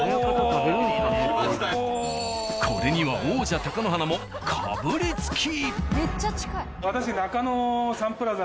これには王者・貴乃花もかぶりつき！